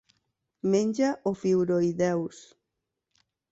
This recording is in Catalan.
Menja ofiuroïdeus.